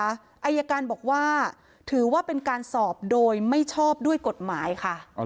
อายการบอกว่าถือว่าเป็นการสอบโดยไม่ชอบด้วยกฎหมายค่ะ